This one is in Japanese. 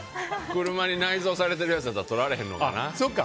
車に内蔵されてるやつだからとられへんのかな？